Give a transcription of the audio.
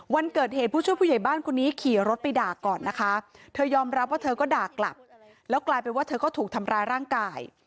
วันเกิดเหตุผู้ช่วยผู้ใหญ่บ้านคนนี้ขี่รถไปด่าก่อนนะคะเธอยอมรับว่าเธอก็ด่ากลับแล้วกลายเป็นว่าเธอก็ถูกทำร้ายร่างกาย